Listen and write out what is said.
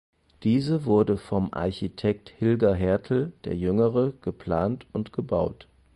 Diese wurde vom Architekt Hilger Hertel der Jüngere geplant und gebaut.